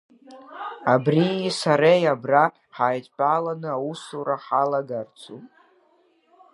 Абрии сареи абра ҳаидтәаланы аусура ҳалагарцу?